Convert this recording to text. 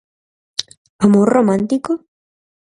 Amor romántico?